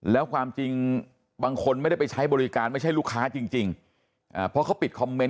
แล้วความจริงบางคนไม่ได้ไปใช้บริการไม่ใช่ลูกค้าจริงเพราะเขาปิดคอมเมนต